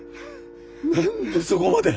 何でそこまで？